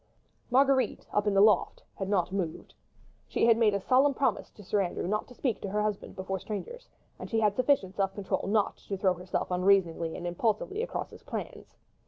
Marguerite up in the loft had not moved. She had made a solemn promise to Sir Andrew not to speak to her husband before strangers, and she had sufficient self control not to throw herself unreasoningly and impulsively across his plans.